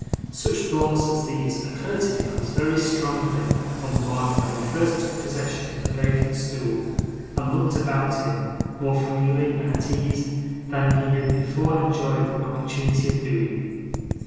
Such thoughts as these occurred to Nicholas very strongly, on the morning when he first took possession of the vacant stool, and looked about him, more freely and at ease, than he had before enjoyed an opportunity of doing.